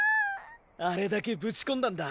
あれだけぶち込んだんだ。